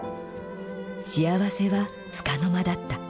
幸せは束の間だった。